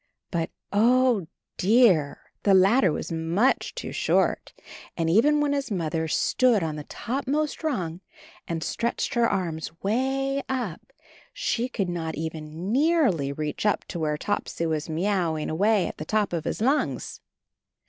But, O dear! The ladder was much too short, and even when his Mother stood on the topmost rung and stretched her arms way up, she could not even nearly reach up to where Topsy was miaouing away at the top of his lungs.